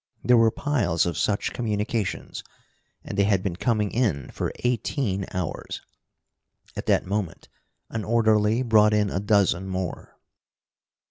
There were piles of such communications, and they had been coming in for eighteen hours. At that moment an orderly brought in a dozen more.